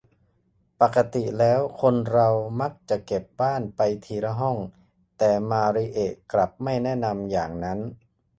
ปกติแล้วคนเรามักจะเก็บบ้านไปทีละห้อง แต่มาริเอะกลับไม่แนะนำอย่างนั้น